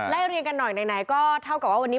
เรียงกันหน่อยไหนก็เท่ากับว่าวันนี้